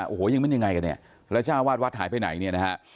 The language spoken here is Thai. โอ้โหยังไม่ใช่ไงกันเนี่ยแล้วจ้าวาสวาสหายไปไหนเนี่ย